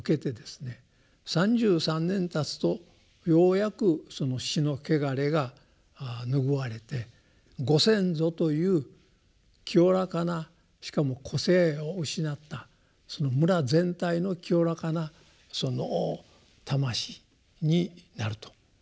３３年たつとようやくその死の穢れが拭われて「ご先祖」という清らかなしかも個性を失ったその村全体の清らかな魂になると。